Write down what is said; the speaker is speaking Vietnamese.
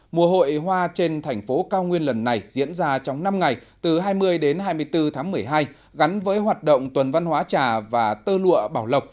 mùa hội hoa trên thành phố cao nguyên lần này diễn ra trong năm ngày từ hai mươi đến hai mươi bốn tháng một mươi hai gắn với hoạt động tuần văn hóa trà và tơ lụa bảo lộc